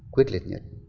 quyết liệt nhất